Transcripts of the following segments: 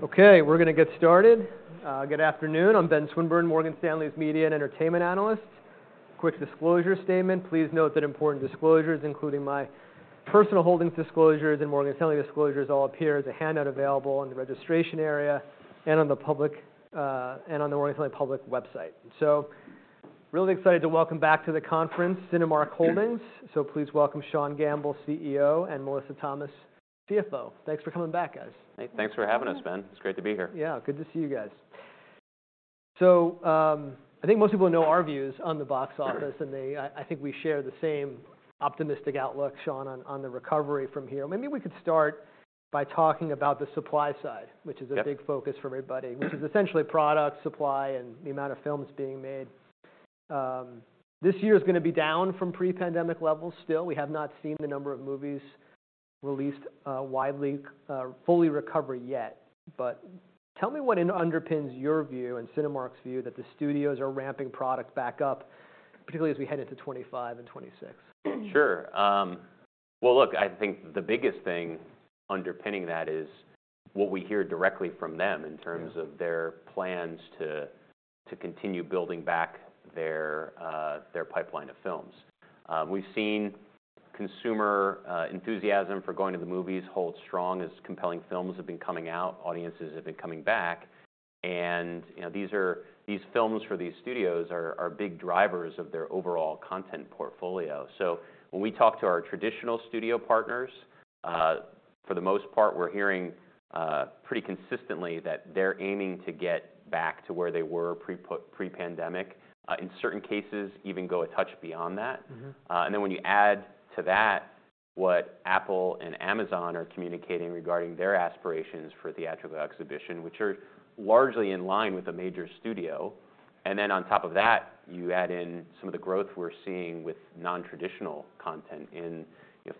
Okay, we're going to get started. Good afternoon, I'm Ben Swinburne, Morgan Stanley's media and entertainment analyst. Quick disclosure statement: please note that important disclosures, including my personal holdings disclosures and Morgan Stanley disclosures, all appear as a handout available in the registration area and on the Morgan Stanley public website. So really excited to welcome back to the conference Cinemark Holdings, so please welcome Sean Gamble, CEO, and Melissa Thomas, CFO. Thanks for coming back, guys. Hey, thanks for having us, Ben. It's great to be here. Yeah, good to see you guys. So I think most people know our views on the box office, and I think we share the same optimistic outlook, Sean, on the recovery from here. Maybe we could start by talking about the supply side, which is a big focus for everybody, which is essentially product, supply, and the amount of films being made. This year is going to be down from pre-pandemic levels still. We have not seen the number of movies released widely, fully recover yet. But tell me what underpins your view and Cinemark's view that the studios are ramping product back up, particularly as we head into 2025 and 2026. Sure. Well, look, I think the biggest thing underpinning that is what we hear directly from them in terms of their plans to continue building back their pipeline of films. We've seen consumer enthusiasm for going to the movies hold strong as compelling films have been coming out, audiences have been coming back, and these films for these studios are big drivers of their overall content portfolio. So when we talk to our traditional studio partners, for the most part, we're hearing pretty consistently that they're aiming to get back to where they were pre-pandemic, in certain cases even go a touch beyond that. And then when you add to that what Apple and Amazon are communicating regarding their aspirations for theatrical exhibition, which are largely in line with a major studio, and then on top of that you add in some of the growth we're seeing with non-traditional content in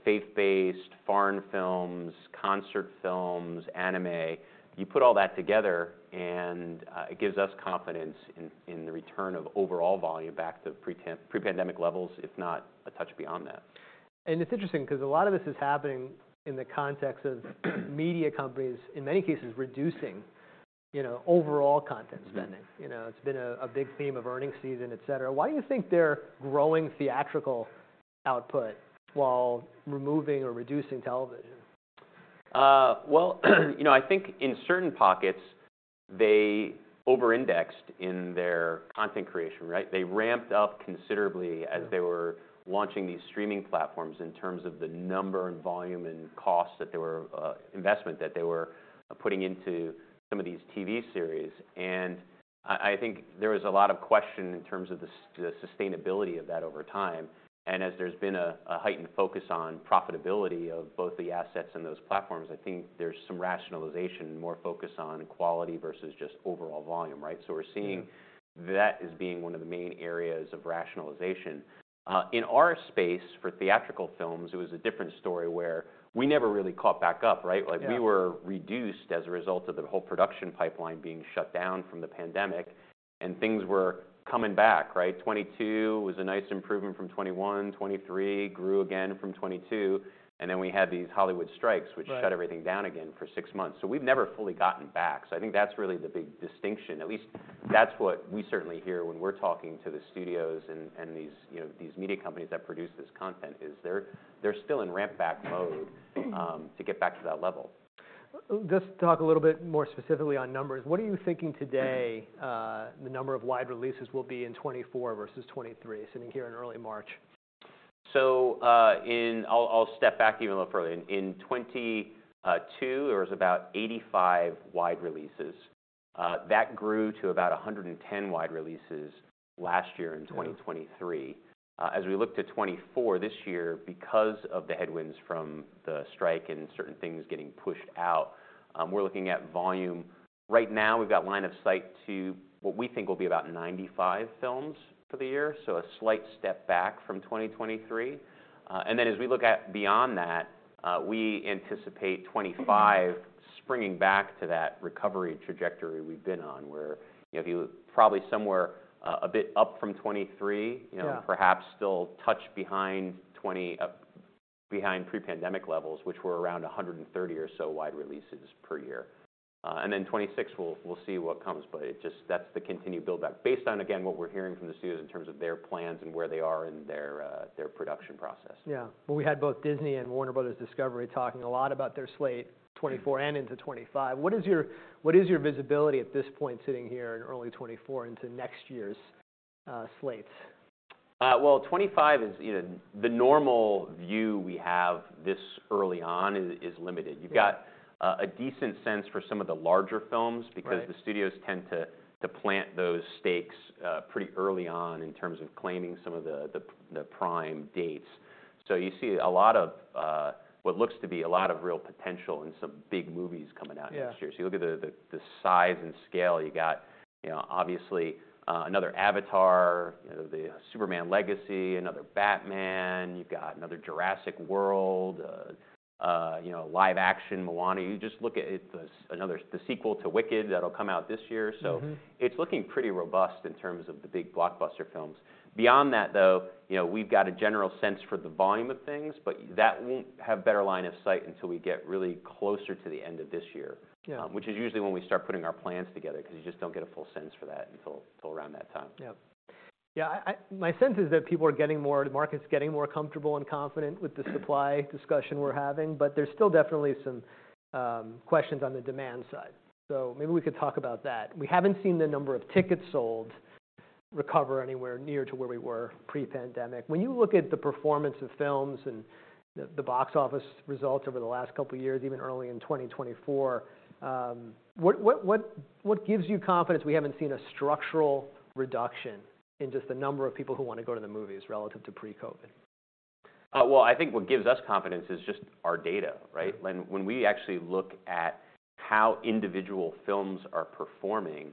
faith-based, foreign films, concert films, anime, you put all that together and it gives us confidence in the return of overall volume back to pre-pandemic levels, if not a touch beyond that. It's interesting because a lot of this is happening in the context of media companies, in many cases, reducing overall content spending. It's been a big theme of earnings season, et cetera. Why do you think they're growing theatrical output while removing or reducing television? Well, you know I think in certain pockets they over-indexed in their content creation. They ramped up considerably as they were launching these streaming platforms in terms of the number and volume and cost that they were investment that they were putting into some of these TV series. And I think there was a lot of question in terms of the sustainability of that over time. And as there's been a heightened focus on profitability of both the assets and those platforms, I think there's some rationalization, more focus on quality versus just overall volume. So we're seeing that as being one of the main areas of rationalization. In our space for theatrical films, it was a different story where we never really caught back up. We were reduced as a result of the whole production pipeline being shut down from the pandemic, and things were coming back. 2022 was a nice improvement from 2021. 2023 grew again from 2022. And then we had these Hollywood strikes, which shut everything down again for six months. So we've never fully gotten back. So I think that's really the big distinction. At least that's what we certainly hear when we're talking to the studios and these media companies that produce this content, is they're still in ramp back mode to get back to that level. Just talk a little bit more specifically on numbers. What are you thinking today the number of wide releases will be in 2024 versus 2023, sitting here in early March? So I'll step back even a little further. In 2022 there was about 85 wide releases. That grew to about 110 wide releases last year in 2023. As we look to 2024, this year, because of the headwinds from the strike and certain things getting pushed out, we're looking at volume right now we've got line of sight to what we think will be about 95 films for the year, so a slight step back from 2023. And then as we look beyond that, we anticipate 2025 springing back to that recovery trajectory we've been on, where if you probably somewhere a bit up from 2023, perhaps still touch behind pre-pandemic levels, which were around 130 or so wide releases per year. And then 2026 we'll see what comes, but that's the continued build back based on, again, what we're hearing from the studios in terms of their plans and where they are in their production process. Yeah. Well, we had both Disney and Warner Bros. Discovery talking a lot about their slate 2024 and into 2025. What is your visibility at this point sitting here in early 2024 into next year's slates? Well, 2025 is the normal view we have this early on is limited. You've got a decent sense for some of the larger films because the studios tend to plant those stakes pretty early on in terms of claiming some of the prime dates. So you see a lot of what looks to be a lot of real potential in some big movies coming out next year. So you look at the size and scale you got. Obviously, another Avatar, the Superman Legacy, another Batman, you've got another Jurassic World, live-action Moana. You just look at the sequel to Wicked that'll come out this year. So it's looking pretty robust in terms of the big blockbuster films. Beyond that, though, we've got a general sense for the volume of things, but that won't have better line of sight until we get really closer to the end of this year, which is usually when we start putting our plans together because you just don't get a full sense for that until around that time. Yeah. Yeah, my sense is that people are getting more the market's getting more comfortable and confident with the supply discussion we're having, but there's still definitely some questions on the demand side. So maybe we could talk about that. We haven't seen the number of tickets sold recover anywhere near to where we were pre-pandemic. When you look at the performance of films and the box office results over the last couple of years, even early in 2024, what gives you confidence we haven't seen a structural reduction in just the number of people who want to go to the movies relative to pre-COVID? Well, I think what gives us confidence is just our data. When we actually look at how individual films are performing,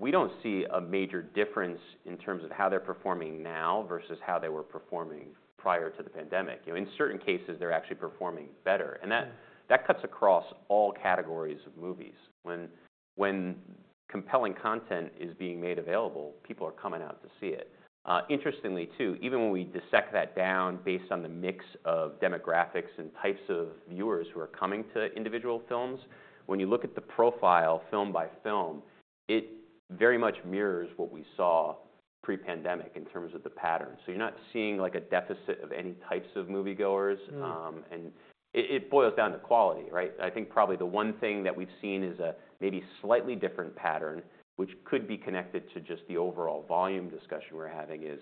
we don't see a major difference in terms of how they're performing now versus how they were performing prior to the pandemic. In certain cases, they're actually performing better. And that cuts across all categories of movies. When compelling content is being made available, people are coming out to see it. Interestingly, too, even when we dissect that down based on the mix of demographics and types of viewers who are coming to individual films, when you look at the profile film by film, it very much mirrors what we saw pre-pandemic in terms of the pattern. So you're not seeing a deficit of any types of moviegoers, and it boils down to quality. I think probably the one thing that we've seen is a maybe slightly different pattern, which could be connected to just the overall volume discussion we're having, is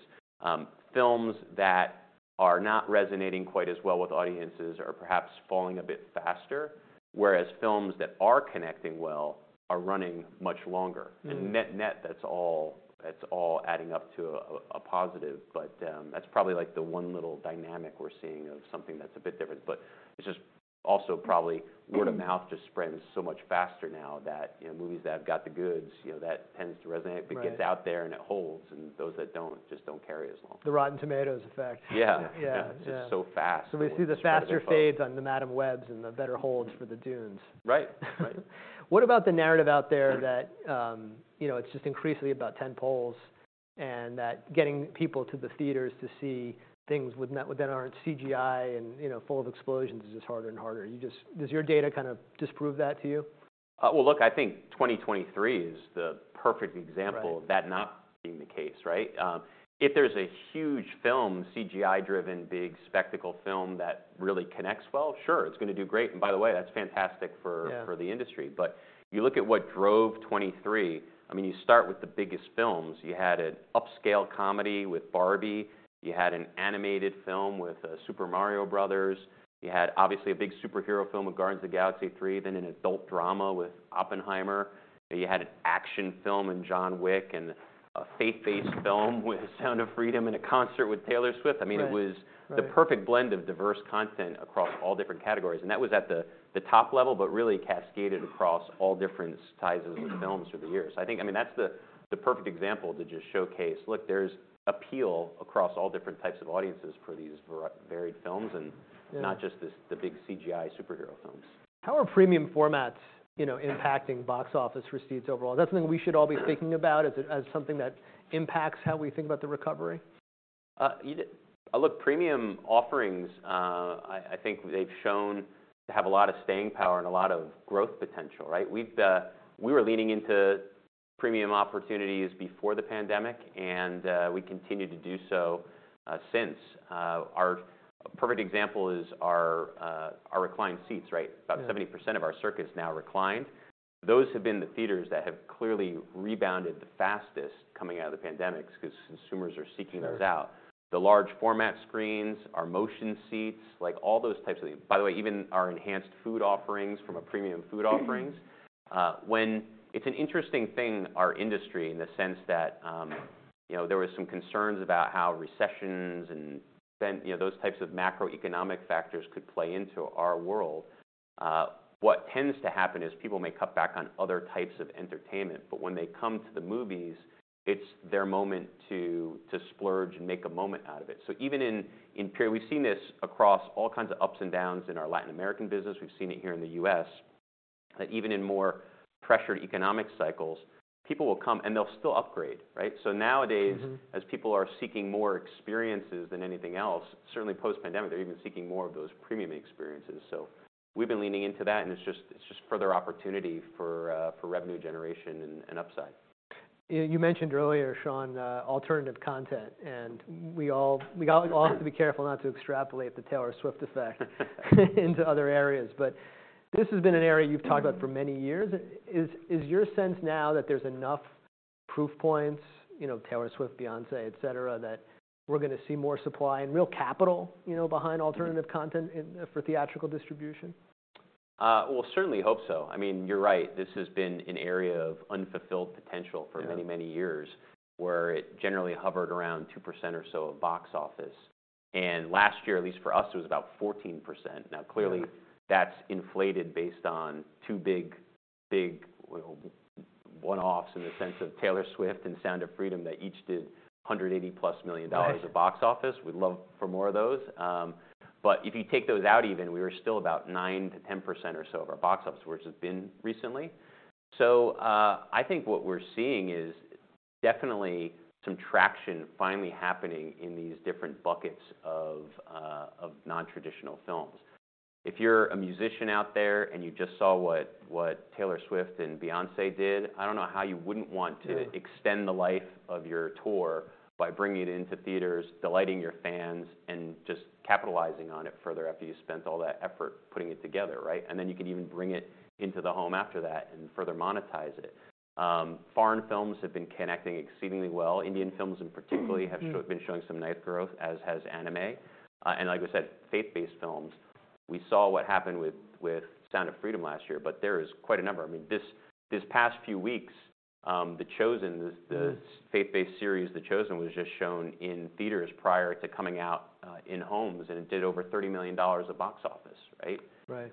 films that are not resonating quite as well with audiences are perhaps falling a bit faster, whereas films that are connecting well are running much longer. And net-net, that's all adding up to a positive, but that's probably the one little dynamic we're seeing of something that's a bit different. But it's just also probably word of mouth just spreads so much faster now that movies that have got the goods, that tends to resonate, but gets out there and it holds, and those that don't just don't carry as long. The Rotten Tomatoes effect. Yeah. Yeah, it's just so fast. So we see the faster fades on the Madame Webs and the better holds for the Dunes. Right. Right. What about the narrative out there that it's just increasingly about tentpoles and that getting people to the theaters to see things that aren't CGI and full of explosions is just harder and harder? Does your data kind of disprove that to you? Well, look, I think 2023 is the perfect example of that not being the case. If there's a huge film, CGI-driven, big spectacle film that really connects well, sure, it's going to do great. And by the way, that's fantastic for the industry. But you look at what drove 2023, I mean, you start with the biggest films. You had an upscale comedy with Barbie. You had an animated film with Super Mario Brothers. You had obviously a big superhero film with Guardians of the Galaxy 3, then an adult drama with Oppenheimer. You had an action film in John Wick and a faith-based film with Sound of Freedom and a concert with Taylor Swift. I mean, it was the perfect blend of diverse content across all different categories. And that was at the top level, but really cascaded across all different sizes of films through the years. I mean, that's the perfect example to just showcase, look, there's appeal across all different types of audiences for these varied films, and not just the big CGI superhero films. How are premium formats impacting box office receipts overall? Is that something we should all be thinking about as something that impacts how we think about the recovery? Look, premium offerings, I think they've shown to have a lot of staying power and a lot of growth potential. We were leaning into premium opportunities before the pandemic, and we continue to do so since. A perfect example is our reclined seats. About 70% of our circuit's now reclined. Those have been the theaters that have clearly rebounded the fastest coming out of the pandemic because consumers are seeking those out. The large format screens, our motion seats, all those types of things. By the way, even our enhanced food offerings from our premium food offerings. It's an interesting thing, our industry, in the sense that there were some concerns about how recessions and those types of macroeconomic factors could play into our world. What tends to happen is people may cut back on other types of entertainment, but when they come to the movies, it's their moment to splurge and make a moment out of it. So even in period we've seen this across all kinds of ups and downs in our Latin American business. We've seen it here in the U.S. that even in more pressured economic cycles, people will come and they'll still upgrade. So nowadays, as people are seeking more experiences than anything else, certainly post-pandemic, they're even seeking more of those premium experiences. So we've been leaning into that, and it's just further opportunity for revenue generation and upside. You mentioned earlier, Sean, alternative content. We all have to be careful not to extrapolate the Taylor Swift effect into other areas. This has been an area you've talked about for many years. Is your sense now that there's enough proof points, Taylor Swift, Beyoncé, et cetera, that we're going to see more supply and real capital behind alternative content for theatrical distribution? Well, certainly hope so. I mean, you're right. This has been an area of unfulfilled potential for many, many years, where it generally hovered around 2% or so of box office. And last year, at least for us, it was about 14%. Now clearly, that's inflated based on two big one-offs in the sense of Taylor Swift and Sound of Freedom that each did $180+ million of box office. We'd love for more of those. But if you take those out even, we were still about 9%-10% or so of our box office, which it's been recently. So I think what we're seeing is definitely some traction finally happening in these different buckets of nontraditional films. If you're a musician out there and you just saw what Taylor Swift and Beyoncé did, I don't know how you wouldn't want to extend the life of your tour by bringing it into theaters, delighting your fans, and just capitalizing on it further after you spent all that effort putting it together. Then you can even bring it into the home after that and further monetize it. Foreign films have been connecting exceedingly well. Indian films in particular have been showing some nice growth, as has anime. Like I said, faith-based films, we saw what happened with Sound of Freedom last year, but there is quite a number. I mean, this past few weeks, The Chosen, the faith-based series, The Chosen, was just shown in theaters prior to coming out in homes, and it did over $30 million of box office.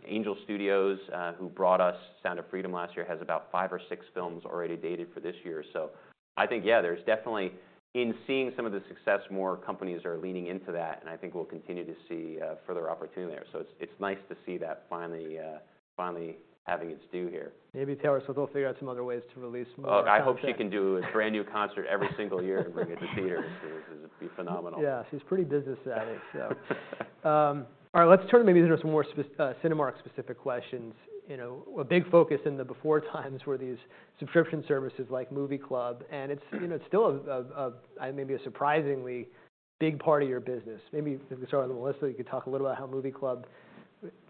Angel Studios, who brought us Sound of Freedom last year, has about five or six films already dated for this year. So I think, yeah, there's definitely in seeing some of the success, more companies are leaning into that, and I think we'll continue to see further opportunity there. So it's nice to see that finally having its due here. Maybe Taylor Swift will figure out some other ways to release more. Look, I hope she can do a brand new concert every single year and bring it to theaters. This would be phenomenal. Yeah, she's pretty business savvy. All right, let's turn maybe to some more Cinemark-specific questions. A big focus in the before times were these subscription services like Movie Club, and it's still maybe a surprisingly big part of your business. Maybe if we start with Melissa, you could talk a little about how Movie Club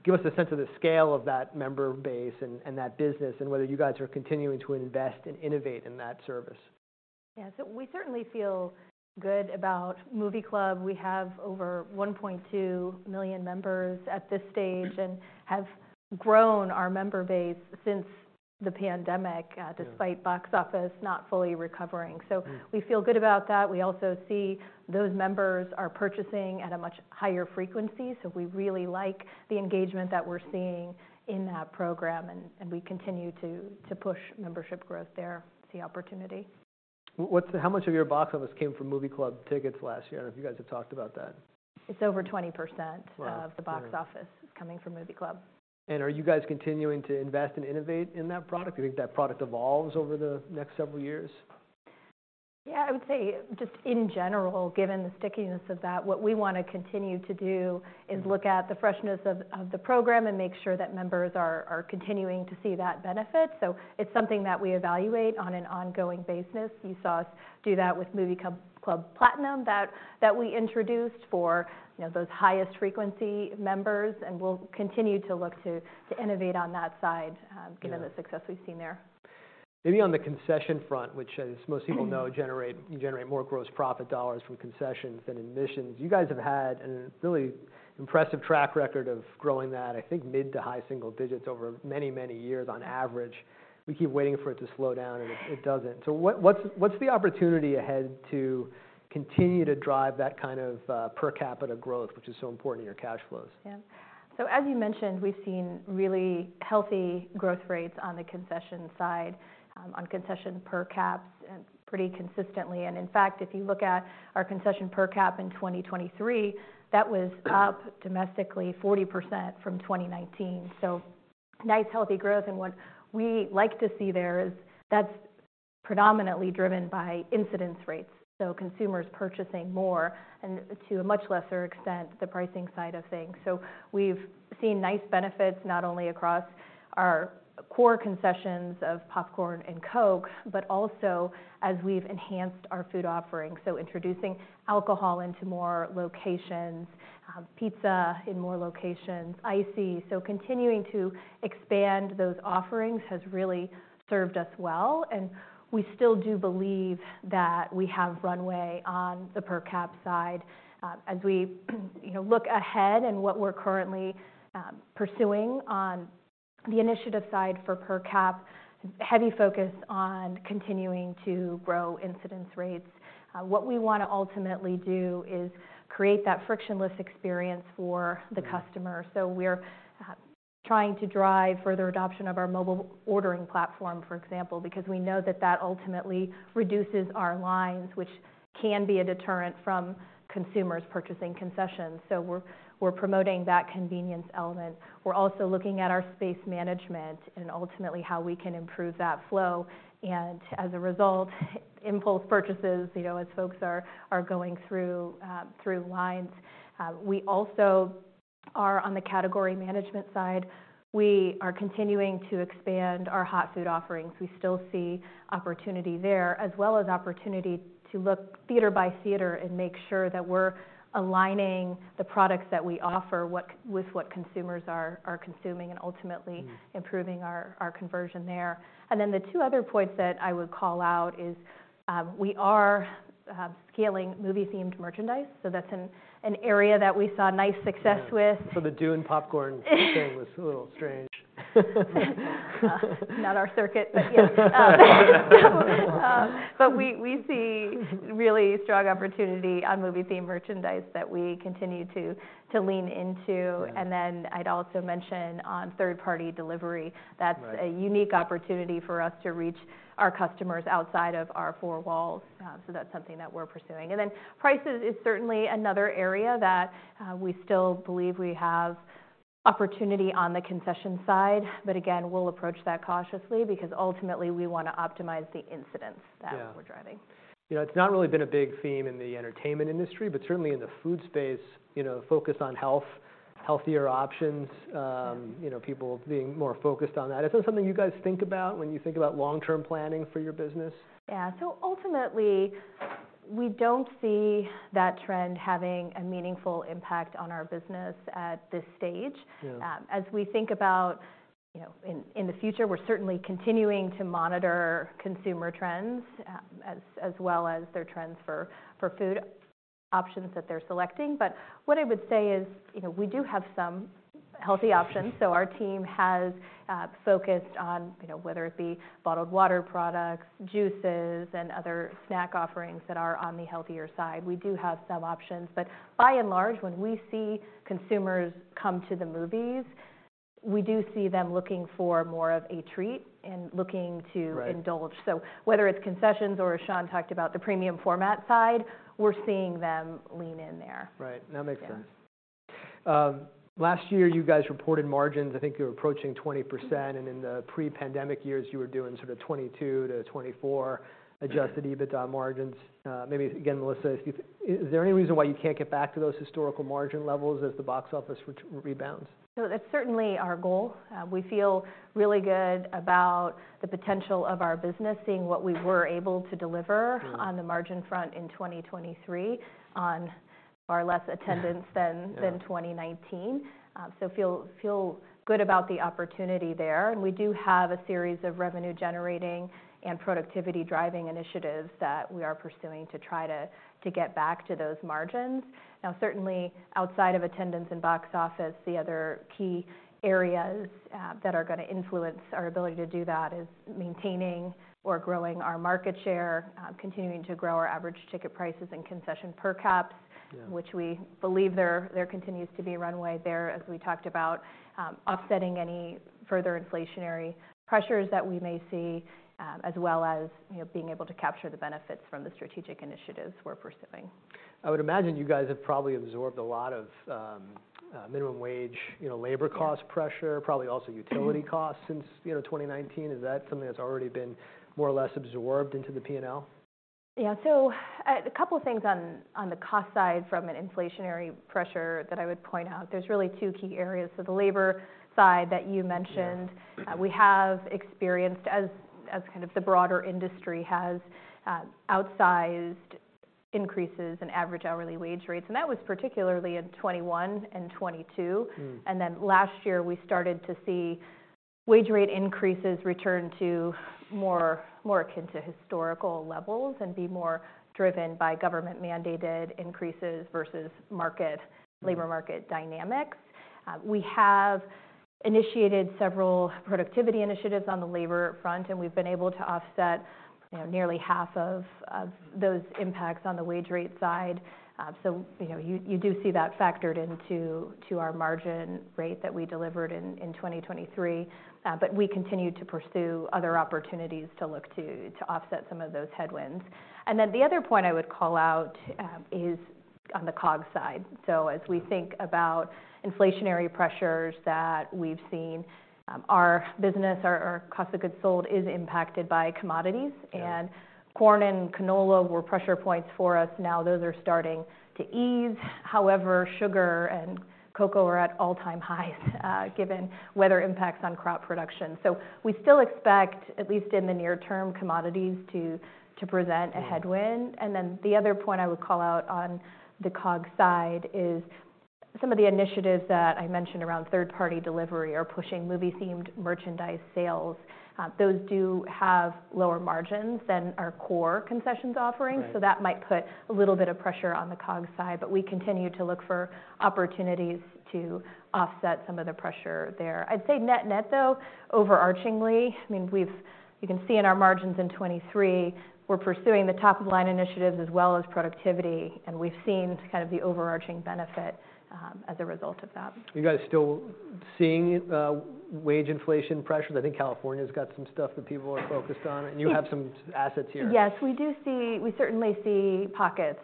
gives us a sense of the scale of that member base and that business and whether you guys are continuing to invest and innovate in that service. Yeah, so we certainly feel good about Movie Club. We have over 1.2 million members at this stage and have grown our member base since the pandemic, despite box office not fully recovering. So we feel good about that. We also see those members are purchasing at a much higher frequency, so we really like the engagement that we're seeing in that program, and we continue to push membership growth there, see opportunity. How much of your box office came from Movie Club tickets last year? I don't know if you guys have talked about that. It's over 20% of the box office is coming from Movie Club. Are you guys continuing to invest and innovate in that product? Do you think that product evolves over the next several years? Yeah, I would say just in general, given the stickiness of that, what we want to continue to do is look at the freshness of the program and make sure that members are continuing to see that benefit. So it's something that we evaluate on an ongoing basis. You saw us do that with Movie Club Platinum that we introduced for those highest frequency members, and we'll continue to look to innovate on that side given the success we've seen there. Maybe on the concession front, which as most people know, you generate more gross profit dollars from concessions than admissions. You guys have had a really impressive track record of growing that, I think mid to high single digits over many, many years on average. We keep waiting for it to slow down, and it doesn't. So what's the opportunity ahead to continue to drive that kind of per capita growth, which is so important in your cash flows? Yeah, so as you mentioned, we've seen really healthy growth rates on the concession side, on concession per caps pretty consistently. And in fact, if you look at our concession per cap in 2023, that was up domestically 40% from 2019. So nice, healthy growth. And what we like to see there is that's predominantly driven by incidence rates, so consumers purchasing more and to a much lesser extent the pricing side of things. So we've seen nice benefits not only across our core concessions of popcorn and Coke, but also as we've enhanced our food offerings, so introducing alcohol into more locations, pizza in more locations, ICEE. So continuing to expand those offerings has really served us well. And we still do believe that we have runway on the per cap side. As we look ahead and what we're currently pursuing on the initiative side for per cap, heavy focus on continuing to grow incidence rates. What we want to ultimately do is create that frictionless experience for the customer. So we're trying to drive further adoption of our mobile ordering platform, for example, because we know that that ultimately reduces our lines, which can be a deterrent from consumers purchasing concessions. So we're promoting that convenience element. We're also looking at our space management and ultimately how we can improve that flow. And as a result, impulse purchases, as folks are going through lines. We also are on the category management side. We are continuing to expand our hot food offerings. We still see opportunity there, as well as opportunity to look theater by theater and make sure that we're aligning the products that we offer with what consumers are consuming and ultimately improving our conversion there. And then the two other points that I would call out is we are scaling movie-themed merchandise. So that's an area that we saw nice success with. So the Dune popcorn thing was a little strange. Not our circuit, but yeah. We see really strong opportunity on movie-themed merchandise that we continue to lean into. Then I'd also mention on third-party delivery. That's a unique opportunity for us to reach our customers outside of our four walls. That's something that we're pursuing. Then prices is certainly another area that we still believe we have opportunity on the concession side. Again, we'll approach that cautiously because ultimately we want to optimize the incidence that we're driving. It's not really been a big theme in the entertainment industry, but certainly in the food space, focus on health, healthier options, people being more focused on that. Is that something you guys think about when you think about long-term planning for your business? Yeah, so ultimately we don't see that trend having a meaningful impact on our business at this stage. As we think about in the future, we're certainly continuing to monitor consumer trends as well as their trends for food options that they're selecting. But what I would say is we do have some healthy options. So our team has focused on whether it be bottled water products, juices, and other snack offerings that are on the healthier side. \We do have some options. But by and large, when we see consumers come to the movies, we do see them looking for more of a treat and looking to indulge. So whether it's concessions or, as Sean Gamble talked about, the premium format side, we're seeing them lean in there. Right, that makes sense. Last year you guys reported margins. I think you were approaching 20%. And in the pre-pandemic years, you were doing sort of 22%-24% Adjusted EBITDA margins. Maybe again, Melissa, is there any reason why you can't get back to those historical margin levels as the box office rebounds? So that's certainly our goal. We feel really good about the potential of our business, seeing what we were able to deliver on the margin front in 2023 on far less attendance than 2019. So feel good about the opportunity there. And we do have a series of revenue-generating and productivity-driving initiatives that we are pursuing to try to get back to those margins. Now certainly outside of attendance and box office, the other key areas that are going to influence our ability to do that is maintaining or growing our market share, continuing to grow our average ticket prices and concession per caps, which we believe there continues to be runway there, as we talked about, offsetting any further inflationary pressures that we may see, as well as being able to capture the benefits from the strategic initiatives we're pursuing. I would imagine you guys have probably absorbed a lot of minimum wage labor cost pressure, probably also utility costs since 2019. Is that something that's already been more or less absorbed into the P&L? Yeah, so a couple of things on the cost side from an inflationary pressure that I would point out. There's really two key areas. So the labor side that you mentioned, we have experienced, as kind of the broader industry has, outsized increases in average hourly wage rates. And that was particularly in 2021 and 2022. And then last year we started to see wage rate increases return to more akin to historical levels and be more driven by government-mandated increases versus labor market dynamics. We have initiated several productivity initiatives on the labor front, and we've been able to offset nearly half of those impacts on the wage rate side. So you do see that factored into our margin rate that we delivered in 2023. But we continue to pursue other opportunities to look to offset some of those headwinds. And then the other point I would call out is on the COGS side. So as we think about inflationary pressures that we've seen, our business, our cost of goods sold, is impacted by commodities. And corn and canola were pressure points for us. Now those are starting to ease. However, sugar and cocoa are at all-time highs given weather impacts on crop production. So we still expect, at least in the near term, commodities to present a headwind. And then the other point I would call out on the COGS side is some of the initiatives that I mentioned around third-party delivery are pushing movie-themed merchandise sales. Those do have lower margins than our core concessions offerings. So that might put a little bit of pressure on the COGS side. But we continue to look for opportunities to offset some of the pressure there. I'd say net-net, though, overarchingly, I mean, you can see in our margins in 2023, we're pursuing the top-of-line initiatives as well as productivity. We've seen kind of the overarching benefit as a result of that. Are you guys still seeing wage inflation pressures? I think California's got some stuff that people are focused on. You have some assets here. Yes, we do see we certainly see pockets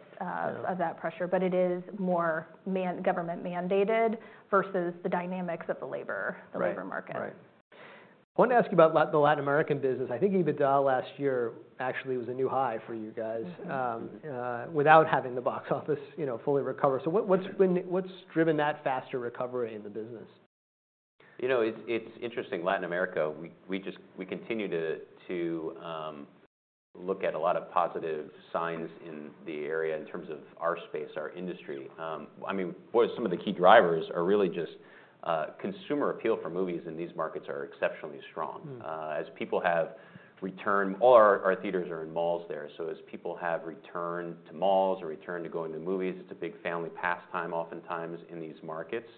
of that pressure, but it is more government-mandated versus the dynamics of the labor market. Right. I wanted to ask you about the Latin American business. I think EBITDA last year actually was a new high for you guys without having the box office fully recover. So what's driven that faster recovery in the business? You know. It's interesting. Latin America, we continue to look at a lot of positive signs in the area in terms of our space, our industry. I mean, some of the key drivers are really just consumer appeal for movies in these markets are exceptionally strong. As people have returned all our theaters are in malls there. So as people have returned to malls or returned to going to movies, it's a big family pastime oftentimes in these markets.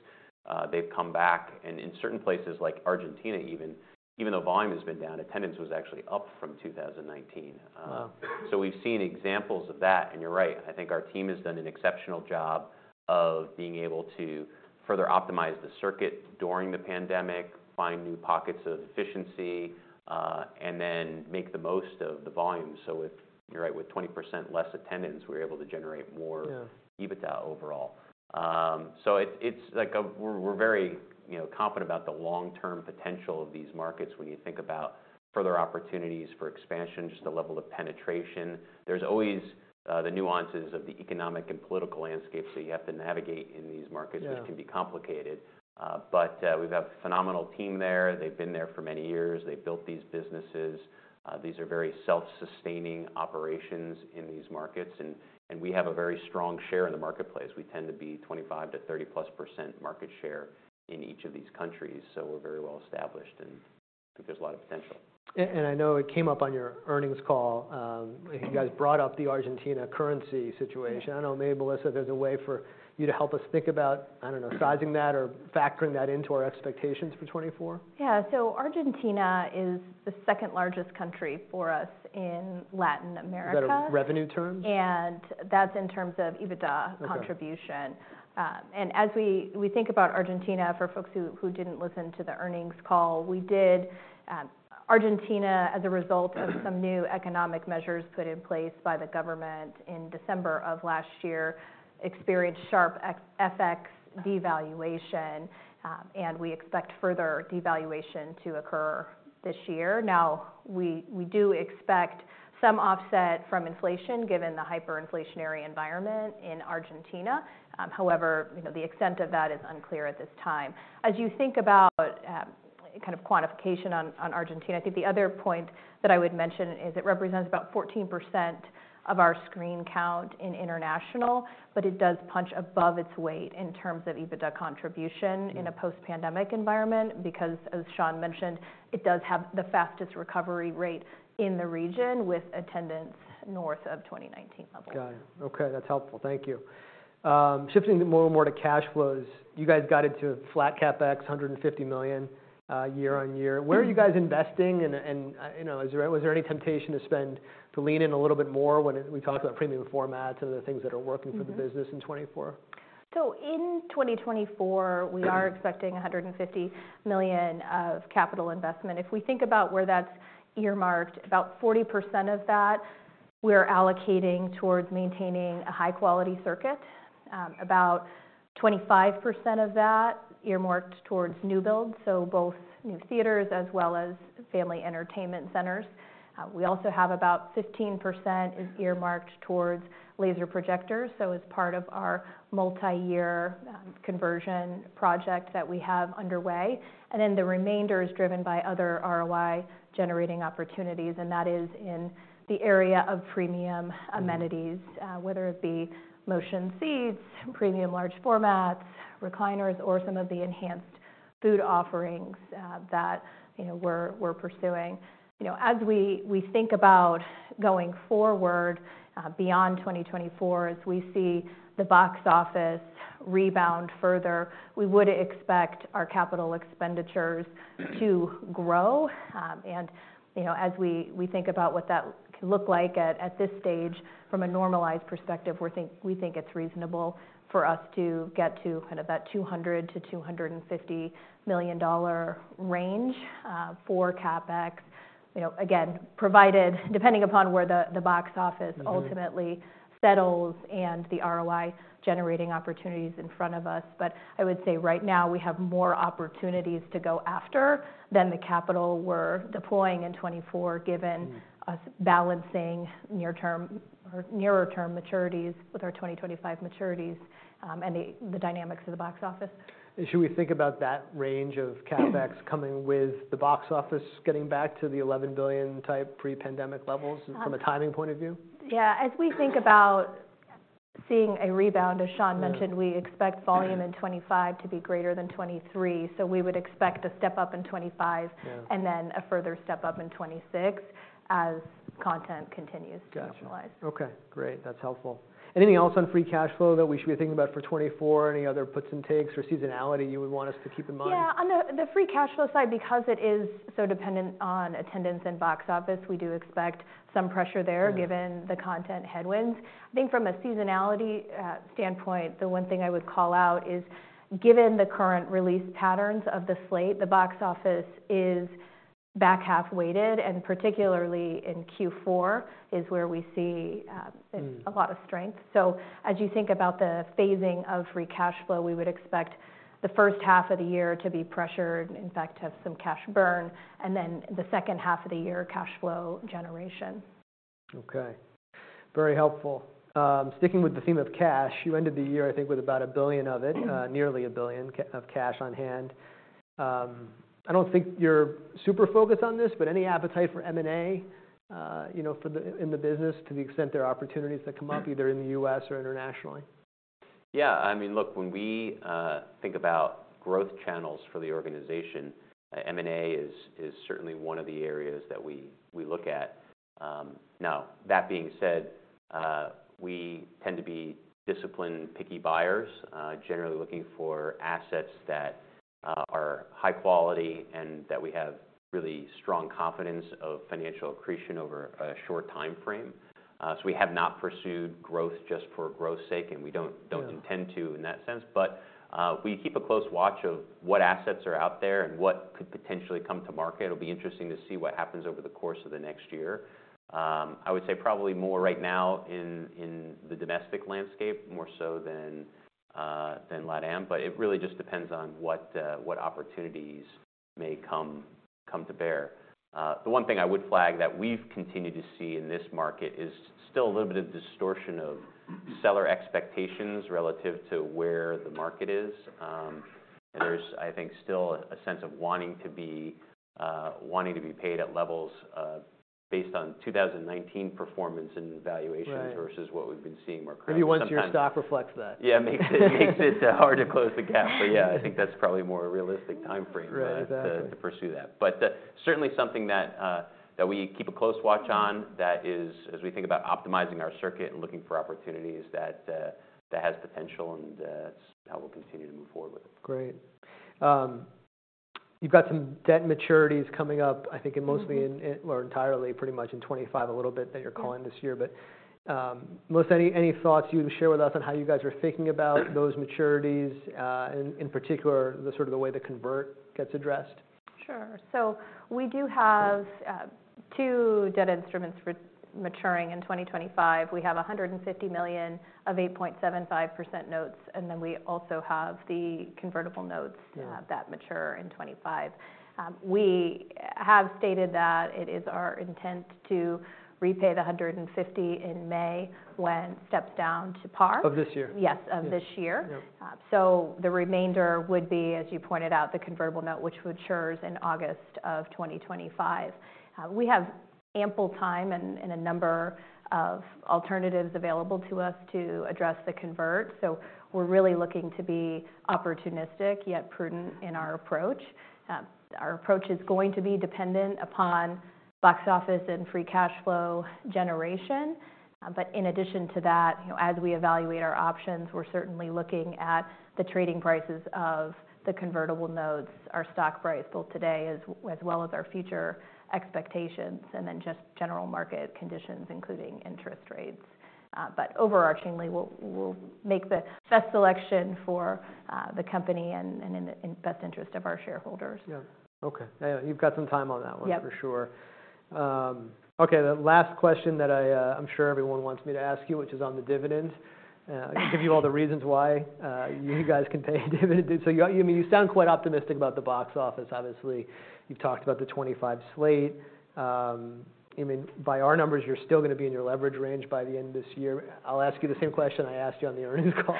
They've come back. In certain places like Argentina even, even though volume has been down, attendance was actually up from 2019. Wow. So we've seen examples of that. And you're right. I think our team has done an exceptional job of being able to further optimize the circuit during the pandemic, find new pockets of efficiency, and then make the most of the volume. So you're right, with 20% less attendance, we were able to generate more EBITDA overall. So we're very confident about the long-term potential of these markets when you think about further opportunities for expansion, just the level of penetration. There's always the nuances of the economic and political landscape. So you have to navigate in these markets, which can be complicated. But we have a phenomenal team there. They've been there for many years. They've built these businesses. These are very self-sustaining operations in these markets. And we have a very strong share in the marketplace. We tend to be 25%-30% plus percent market share in each of these countries. We're very well established. I think there's a lot of potential. I know it came up on your earnings call. You guys brought up the Argentina currency situation. I don't know, maybe Melissa, if there's a way for you to help us think about, I don't know, sizing that or factoring that into our expectations for 2024? Yeah, so Argentina is the second largest country for us in Latin America. Is that in revenue terms? And that's in terms of EBITDA contribution. And as we think about Argentina, for folks who didn't listen to the earnings call, we did Argentina, as a result of some new economic measures put in place by the government in December of last year, experience sharp FX devaluation. And we expect further devaluation to occur this year. Now we do expect some offset from inflation given the hyperinflationary environment in Argentina. However, the extent of that is unclear at this time. As you think about kind of quantification on Argentina, I think the other point that I would mention is it represents about 14% of our screen count in international. But it does punch above its weight in terms of EBITDA contribution in a post-pandemic environment because, as Sean mentioned, it does have the fastest recovery rate in the region with attendance north of 2019 levels. Got it. OK, that's helpful. Thank you. Shifting more and more to cash flows, you guys got into flat CapEx, $150 million year-over-year. Where are you guys investing? And was there any temptation to spend to lean in a little bit more when we talk about premium formats and other things that are working for the business in 2024? So in 2024, we are expecting $150 million of capital investment. If we think about where that's earmarked, about 40% of that we're allocating towards maintaining a high-quality circuit. About 25% of that earmarked towards new builds, so both new theaters as well as family entertainment centers. We also have about 15% earmarked towards laser projectors, so as part of our multi-year conversion project that we have underway. And then the remainder is driven by other ROI-generating opportunities. And that is in the area of premium amenities, whether it be motion seats, premium large formats, recliners, or some of the enhanced food offerings that we're pursuing. As we think about going forward beyond 2024, as we see the box office rebound further, we would expect our capital expenditures to grow. As we think about what that can look like at this stage, from a normalized perspective, we think it's reasonable for us to get to kind of that $200 million-$250 million range for CapEx, again, depending upon where the box office ultimately settles and the ROI-generating opportunities in front of us. But I would say right now we have more opportunities to go after than the capital we're deploying in 2024 given us balancing nearer-term maturities with our 2025 maturities and the dynamics of the box office. Should we think about that range of CapEx coming with the box office getting back to the $11 billion type pre-pandemic levels from a timing point of view? Yeah, as we think about seeing a rebound, as Sean mentioned, we expect volume in 2025 to be greater than 2023. So we would expect a step up in 2025 and then a further step up in 2026 as content continues to normalize. Gotcha. OK, great. That's helpful. Anything else on free cash flow that we should be thinking about for 2024, any other puts and takes or seasonality you would want us to keep in mind? Yeah, on the free cash flow side, because it is so dependent on attendance and box office, we do expect some pressure there given the content headwinds. I think from a seasonality standpoint, the one thing I would call out is given the current release patterns of the slate, the box office is back half-weighted. Particularly in Q4 is where we see a lot of strength. As you think about the phasing of free cash flow, we would expect the first half of the year to be pressured, in fact, to have some cash burn, and then the second half of the year, cash flow generation. OK, very helpful. Sticking with the theme of cash, you ended the year, I think, with about $1 billion of it, nearly $1 billion of cash on hand. I don't think you're super focused on this, but any appetite for M&A in the business to the extent there are opportunities that come up either in the U.S. or internationally? Yeah, I mean, look, when we think about growth channels for the organization, M&A is certainly one of the areas that we look at. Now that being said, we tend to be disciplined, picky buyers, generally looking for assets that are high quality and that we have really strong confidence of financial accretion over a short time frame. So we have not pursued growth just for growth's sake. We don't intend to in that sense. But we keep a close watch of what assets are out there and what could potentially come to market. It'll be interesting to see what happens over the course of the next year. I would say probably more right now in the domestic landscape, more so than LatAm. But it really just depends on what opportunities may come to bear. The one thing I would flag that we've continued to see in this market is still a little bit of distortion of seller expectations relative to where the market is. There's, I think, still a sense of wanting to be paid at levels based on 2019 performance and valuations versus what we've been seeing more currently. Maybe once your stock reflects that. Yeah, it makes it hard to close the gap. But yeah, I think that's probably more a realistic time frame to pursue that. But certainly something that we keep a close watch on that is, as we think about optimizing our circuit and looking for opportunities, that has potential. And that's how we'll continue to move forward with it. Great. You've got some debt maturities coming up, I think, mostly or entirely pretty much in 2025, a little bit that you're calling this year. But Melissa, any thoughts you would share with us on how you guys are thinking about those maturities, in particular sort of the way the convert gets addressed? Sure. So we do have two debt instruments maturing in 2025. We have $150 million of 8.75% notes. And then we also have the convertible notes that mature in 2025. We have stated that it is our intent to repay the $150 million in May when steps down to par. Of this year? Yes, of this year. So the remainder would be, as you pointed out, the convertible note, which matures in August of 2025. We have ample time and a number of alternatives available to us to address the convert. So we're really looking to be opportunistic yet prudent in our approach. Our approach is going to be dependent upon box office and free cash flow generation. But in addition to that, as we evaluate our options, we're certainly looking at the trading prices of the convertible notes, our stock price both today as well as our future expectations, and then just general market conditions, including interest rates. But overarchingly, we'll make the best selection for the company and in the best interest of our shareholders. Yeah. OK, you've got some time on that one for sure. OK, the last question that I'm sure everyone wants me to ask you, which is on the dividend. I can give you all the reasons why you guys can pay a dividend. So you sound quite optimistic about the box office, obviously. You've talked about the 2025 slate. I mean, by our numbers, you're still going to be in your leverage range by the end of this year. I'll ask you the same question I asked you on the earnings call,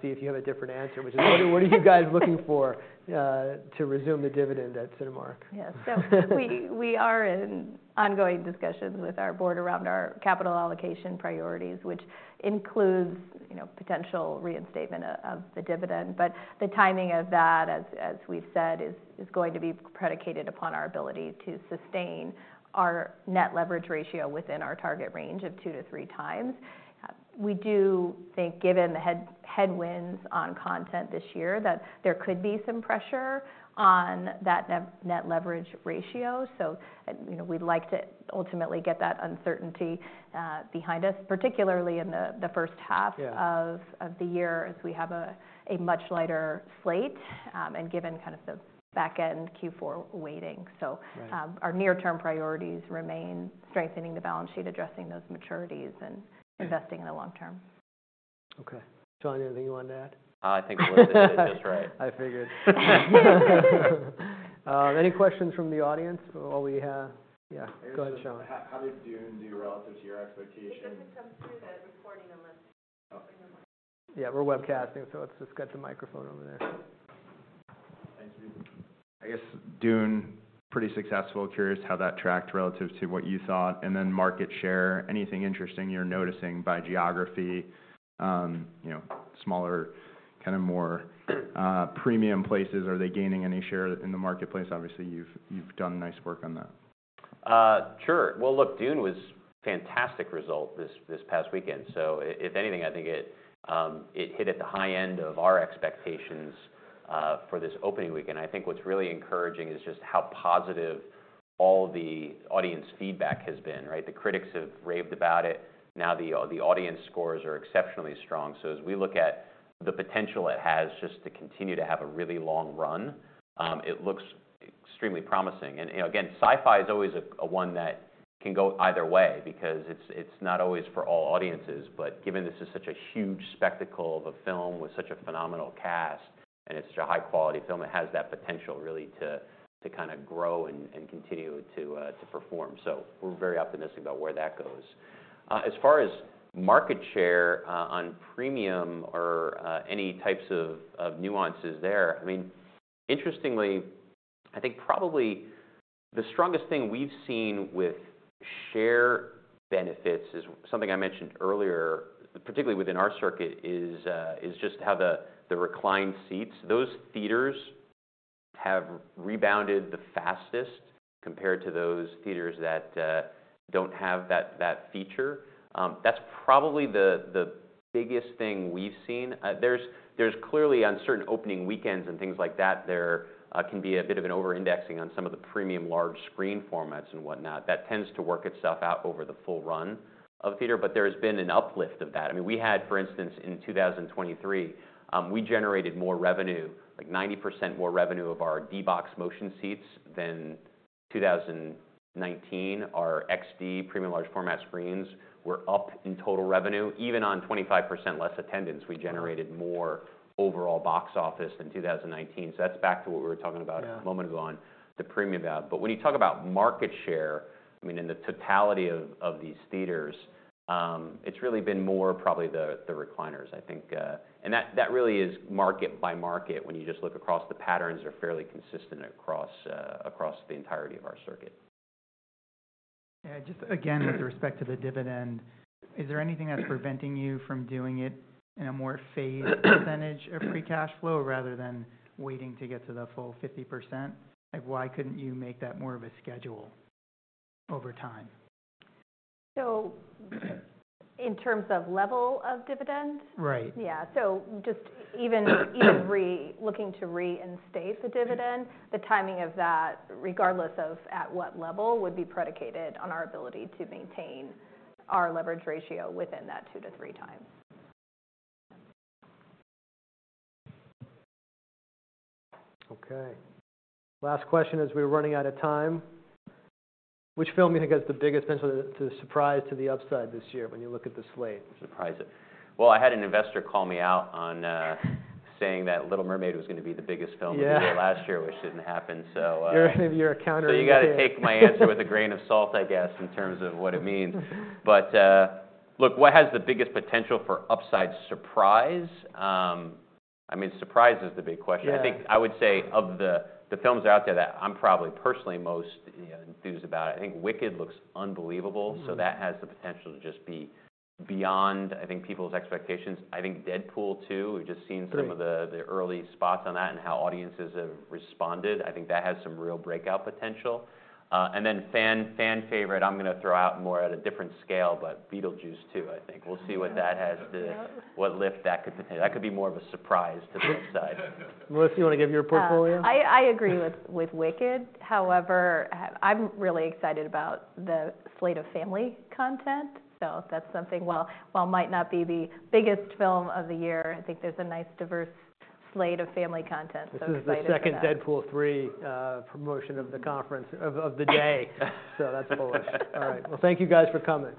see if you have a different answer, which is, what are you guys looking for to resume the dividend at Cinemark? Yeah, so we are in ongoing discussions with our board around our capital allocation priorities, which includes potential reinstatement of the dividend. But the timing of that, as we've said, is going to be predicated upon our ability to sustain our net leverage ratio within our target range of 2x-3x. We do think, given the headwinds on content this year, that there could be some pressure on that net leverage ratio. So we'd like to ultimately get that uncertainty behind us, particularly in the first half of the year as we have a much lighter slate and given kind of the back end Q4 weighting. So our near-term priorities remain strengthening the balance sheet, addressing those maturities, and investing in the long term. OK, Sean, anything you want to add? I think Melissa hit it just right. I figured. Any questions from the audience? Yeah, go ahead, Sean. How did Dune do relative to your expectations? It doesn't come through the recording unless you bring the microphone. Yeah, we're webcasting. Let's just get the microphone over there. Thanks, Reese. I guess Dune [was] pretty successful. Curious how that tracked relative to what you thought. And then market share, anything interesting you're noticing by geography, smaller kind of more premium places, are they gaining any share in the marketplace? Obviously, you've done nice work on that. Sure. Well, look, Dune was a fantastic result this past weekend. So if anything, I think it hit at the high end of our expectations for this opening weekend. I think what's really encouraging is just how positive all the audience feedback has been. The critics have raved about it. Now the audience scores are exceptionally strong. So as we look at the potential it has just to continue to have a really long run, it looks extremely promising. And again, sci-fi is always one that can go either way because it's not always for all audiences. Given this is such a huge spectacle of a film with such a phenomenal cast and it's such a high-quality film, it has that potential really to kind of grow and continue to perform. We're very optimistic about where that goes. As far as market share on premium or any types of nuances there, I mean, interestingly, I think probably the strongest thing we've seen with share benefits is something I mentioned earlier, particularly within our circuit, is just how the reclined seats, those theaters have rebounded the fastest compared to those theaters that don't have that feature. That's probably the biggest thing we've seen. There's clearly, on certain opening weekends and things like that, there can be a bit of an over-indexing on some of the premium large screen formats and whatnot. That tends to work itself out over the full run of theater. But there has been an uplift of that. I mean, we had, for instance, in 2023, we generated more revenue, like 90% more revenue of our D-BOX motion seats than 2019. Our XD premium large format screens were up in total revenue. Even on 25% less attendance, we generated more overall box office than 2019. So that's back to what we were talking about a moment ago on the premium value. But when you talk about market share, I mean, in the totality of these theaters, it's really been more probably the recliners, I think. And that really is market by market. When you just look across the patterns, they're fairly consistent across the entirety of our circuit. Just again, with respect to the dividend, is there anything that's preventing you from doing it in a more phased percentage of free cash flow rather than waiting to get to the full 50%? Why couldn't you make that more of a schedule over time? In terms of level of dividend? Right. Yeah, so just even looking to reinstate the dividend, the timing of that, regardless of at what level, would be predicated on our ability to maintain our leverage ratio within that 2x-3x. OK, last question as we're running out of time. Which film do you think has the biggest potential to surprise to the upside this year when you look at the slate? Surprise it? Well, I had an investor call me out on saying that Little Mermaid was going to be the biggest film of the year last year, which didn't happen. You're a counter-indicator. So you've got to take my answer with a grain of salt, I guess, in terms of what it means. But look, what has the biggest potential for upside surprise? I mean, surprise is the big question. I think I would say of the films out there that I'm probably personally most enthused about, I think Wicked looks unbelievable. So that has the potential to just be beyond, I think, people's expectations. I think Deadpool too. We've just seen some of the early spots on that and how audiences have responded. I think that has some real breakout potential. And then fan favorite, I'm going to throw out Moana at a different scale, but Beetlejuice too, I think. We'll see what that has to what lift that could potentially be more of a surprise to the upside. Melissa, you want to give your portfolio? Yeah, I agree with Wicked. However, I'm really excited about the slate of family content. So that's something, while it might not be the biggest film of the year, I think there's a nice diverse slate of family content. This is the second Deadpool 3 promotion of the conference of the day. So that's bullish. All right, well, thank you guys for coming.